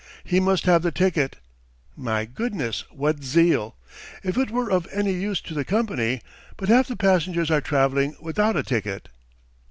He must have the ticket! My goodness, what zeal! If it were of any use to the company but half the passengers are travelling without a ticket!"